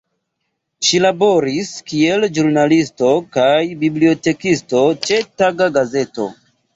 Ŝi laboris kiel ĵurnalisto kaj bibliotekisto ĉe taga gazeto.